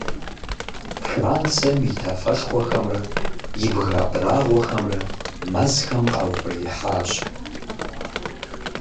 Францием и тафэшхуэхэмрэ и бгы абрагъуэхэмрэ мэзхэм къаухъуреихьащ.